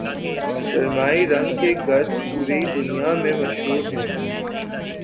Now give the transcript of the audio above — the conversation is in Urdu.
سرمئی رنگ کے گدھ پوری دنیا میں مشہور ہیں